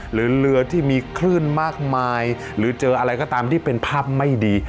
หรือเรือที่มีคลื่นมากมายหรือเจออะไรก็ตามที่เป็นภาพไม่ดี